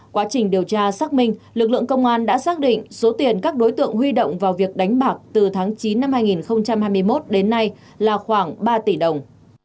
quá trình điều tra xác minh lực lượng công an đã xác định số tiền các đối tượng huy động vào việc đánh bạc từ tháng chín năm hai nghìn hai mươi một đến nay là khoảng ba tỷ đồng